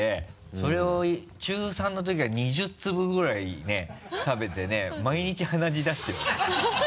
それを中３のときは２０粒ぐらいね食べてね毎日鼻血出してましたね。